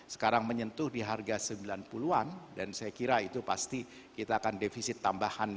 sekarang menyentuh di harga sembilan puluh an dan saya kira itu pasti kita akan defisit tambahan